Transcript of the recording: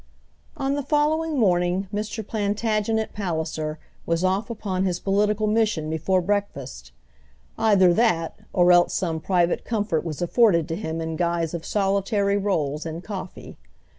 On the following morning Mr. Plantagenet Palliser was off upon his political mission before breakfast; either that, or else some private comfort was afforded to him in guise of solitary rolls and coffee.